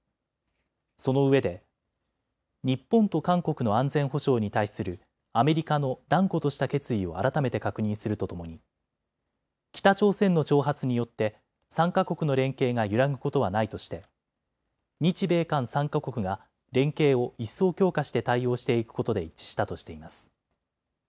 そのうえで日本と韓国の安全保障に対するアメリカの断固とした決意を改めて確認するとともに北朝鮮の挑発によって３か国の連携が揺らぐことはないとして日米韓３か国が連携を一層強化して対応していくことで一致したとしています。